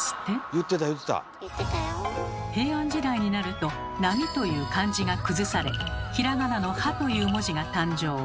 平安時代になると「波」という漢字が崩されひらがなの「は」という文字が誕生。